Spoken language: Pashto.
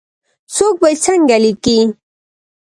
څوک به یې څنګه لیکې ؟